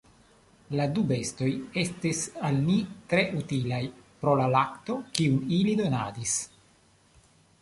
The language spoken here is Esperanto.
La du bestoj estis al ni tre utilaj pro la lakto, kiun ili donadis.